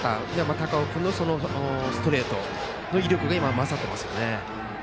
高尾君のストレートの威力が勝っていますよね。